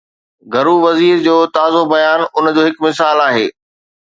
گهرو وزير جو تازو بيان ان جو هڪ مثال آهي.